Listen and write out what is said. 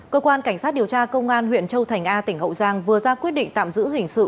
cơ quan cảnh sát điều tra công an huyện châu thành a tỉnh hậu giang vừa ra quyết định tạm giữ hình sự